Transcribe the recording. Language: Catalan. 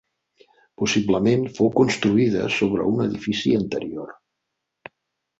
Possiblement fou construïda sobre un edifici anterior.